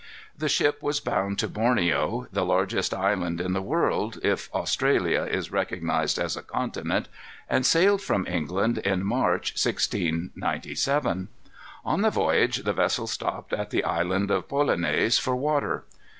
The ship was bound to Borneo, the largest island in the world, if Australia is recognized as a continent, and sailed from England in March, 1697. On the voyage the vessel stopped at the Island of Polonais for water.